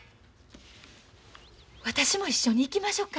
私も一緒に行きましょか。